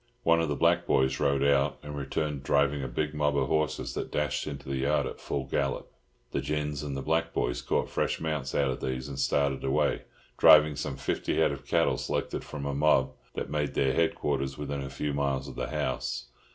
One of the black boys rode out, and returned driving a big mob of horses that dashed into the yard at full gallop. The gins and the black boys caught fresh mounts out of these and started away, driving some fifty head of cattle selected from a mob that made their headquarters within a few miles of the house.